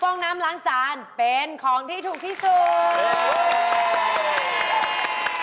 ห้องน้ำล้างจานเป็นของที่ถูกที่สุด